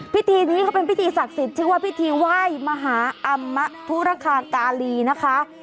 พิธีนี้เขาเป็นพิธีศักดิ์สิทธิ์ชื่อว่าพิธีไหว้มหาอำมะพุรคากาลีนะคะ